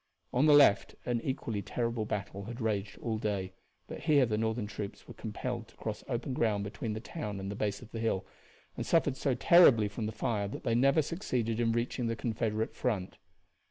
On the left an equally terrible battle had raged all day, but here the Northern troops were compelled to cross open ground between the town and the base of the hill, and suffered so terribly from the fire that they never succeeded in reaching the Confederate front.